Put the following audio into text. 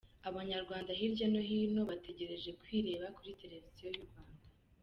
Abanyarwanda hirya no hino bategereje kwireba kuri Televiziyo y’u Rwanda.